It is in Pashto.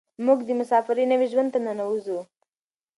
موږ د مساپرۍ نوي ژوند ته ننوځو.